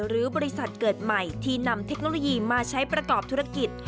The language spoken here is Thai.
หรือบริษัทเกิดใหม่ที่นำเทคโนโลยีมาใช้ประกอบธุรกิจ